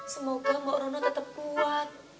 semoga bau rono tetep kuat